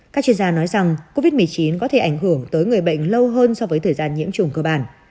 các chuyên gia nói rằng covid một mươi chín có thể ảnh hưởng tới người bệnh lâu hơn so với thời gian nhiễm trùng cơ bản